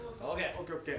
ＯＫ。